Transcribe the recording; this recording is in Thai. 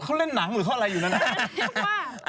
เขาเล่นหนังหรือเขาอะไรอยู่นั้น